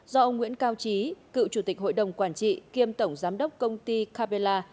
do ông nguyễn cao trí cựu chủ tịch hội đồng quản trị kiêm tổng giám đốc công ty capella